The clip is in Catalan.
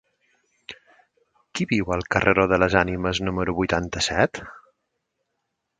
Qui viu al carreró de les Ànimes número vuitanta-set?